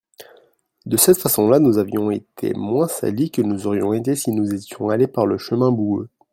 De cette façon-là nous avions été moins salis que nous aurions été si nous étions allés par le chemin boueux.